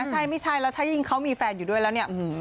ใช่ไม่ใช่แล้วถ้ายิ่งเขามีแฟนอยู่ด้วยแล้วเนี่ย